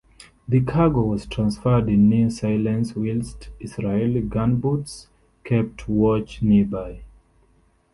The cargo was transferred in near silence whilst Israeli gunboats kept watch nearby.